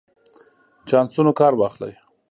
چانسونو کار واخلئ.